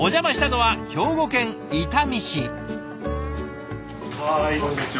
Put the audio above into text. はいこんにちは。